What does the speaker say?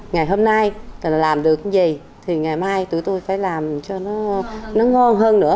ngày hôm nay mình làm được cái gì thì ngày mai tụi tôi phải làm cho nó ngon hơn nữa